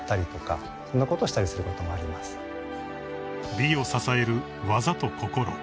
［美を支える技と心］